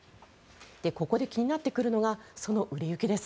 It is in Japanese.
ここで気になってくるのがその売れ行きです。